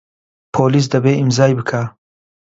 پۆلیس دەبێ ئیمزای بکا.